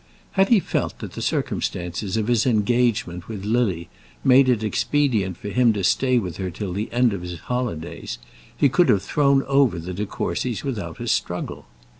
Had he felt that the circumstances of his engagement with Lily made it expedient for him to stay with her till the end of his holidays, he could have thrown over the De Courcys without a struggle.